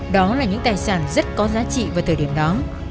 đó là những tài sản rất có giá trị vào thời điểm đó